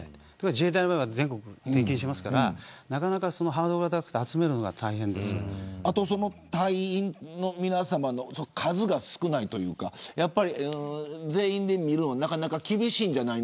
自衛隊は全国を転勤しますからなかなかハードルが高くて隊員の人の数が少ないというか全員で見るのはなかなか厳しいんじゃないか。